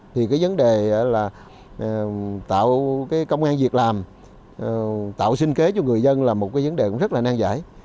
thì tạo công an việc làm tạo sinh kế cho người dân là một vấn đề rất là nang giải